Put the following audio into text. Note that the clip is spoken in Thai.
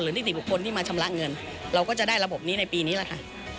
นิติบุคคลที่มาชำระเงินเราก็จะได้ระบบนี้ในปีนี้แหละค่ะ